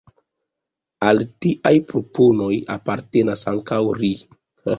Al tiaj proponoj apartenas ankaŭ "ri".